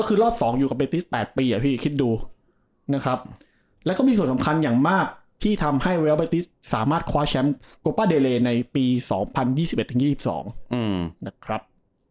คือรอบ๒อยู่กับเบติส๘ปีพี่คิดดูนะครับแล้วก็มีส่วนสำคัญอย่างมากที่ทำให้เรียลใบติสสามารถคว้าแชมป์โกป้าเดเลในปี๒๐๒๑๒๒นะครับ